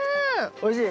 おいしい？